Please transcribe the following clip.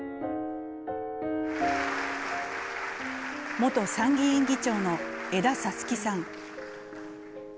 元参議院議長の江田五月さん。